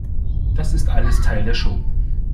Das ist alles Teil der Show.